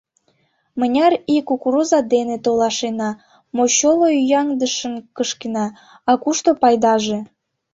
Мыняр ий кукуруза дене толашена, мочоло ӱяҥдышым кышкена, а кушто пайдаже?